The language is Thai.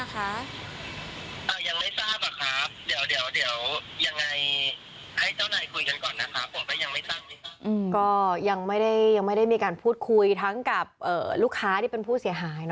ก็ยังไม่ได้ยังไม่ได้มีการพูดคุยทั้งกับลูกค้าที่เป็นผู้เสียหาย